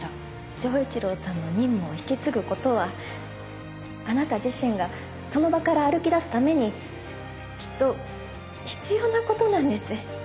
丈一郎さんの任務を引き継ぐことはあなた自身がその場から歩き出すためにきっと必要なことなんです